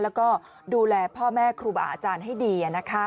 แล้วก็ดูแลพ่อแม่ครูบาอาจารย์ให้ดี